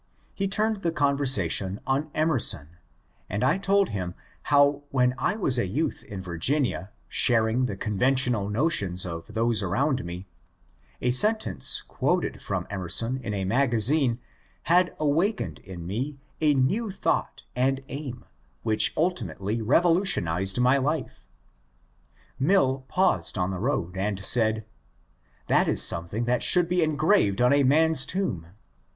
He turned the conversation on Emerson, and I told him how when I was a youth in Virginia sharing the conventional notions of those around me, a sentence quoted from Emerson in a magazine had awakened in me a new thought and aim which ultimately revolutionized my life. Mill paused on the road and said, ^^ That is something that should be engraved on a man's tomb."